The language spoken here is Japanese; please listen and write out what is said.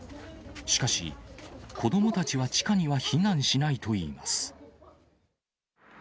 しかし、子どもたちは地下には避難しないといいます。